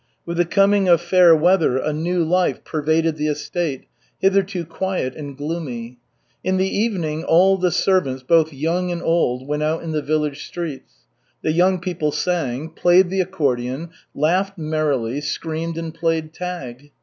With the coming of fair weather a new life pervaded the estate, hitherto quiet and gloomy. In the evening all the servants, both young and old, went out in the village streets. The young people sang, played the accordion, laughed merrily, screamed and played tag.